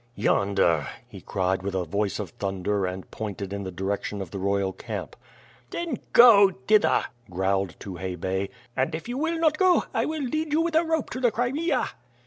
"Yonder," he cried with a voice of thunder and pointed in the direction of the royal camp. "Then go thither," growled Tukhay Bey, and if you will not go, I will lead you with a rope to the Crimea."